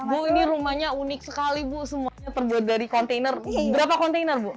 bu ini rumahnya unik sekali bu semuanya terbuat dari kontainer berapa kontainer bu